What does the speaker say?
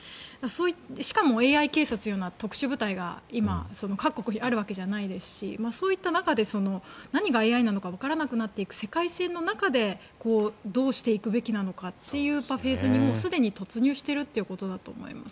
しかもＡＩ警察のような特殊部隊が今各国にあるわけじゃないですしそういった中で何がＡＩなのかわからなくなっていく世界線の中でどうしていくべきなのかというフェーズにすでに突入しているということだと思います。